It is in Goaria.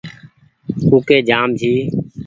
ڪوُڪي جآم ڇي ۔